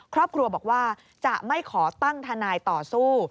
ครอบครัวบอกว่าจะไม่ขอตั้งทนายต่อสู้